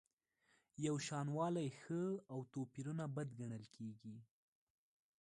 یوشانوالی ښه او توپیرونه بد ګڼل کیږي.